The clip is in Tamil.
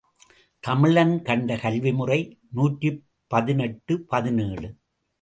தமிழன் கண்ட கல்விமுறை நூற்றி பதினெட்டு பதினேழு .